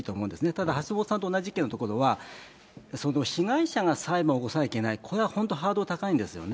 ただ、橋下さんと同じ意見のところは、被害者が裁判を起こさなきゃいけない、これは本当、ハードル高いんですよね。